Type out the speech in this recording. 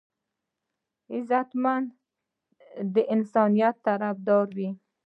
غیرتمند د انسانيت طرفدار وي